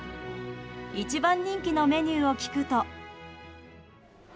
一番人気のメニューを聞くと。